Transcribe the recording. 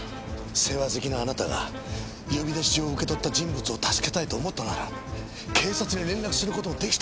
世話好きなあなたが呼び出し状を受け取った人物を助けたいと思ったなら警察に連絡する事もできたはずなんですよ。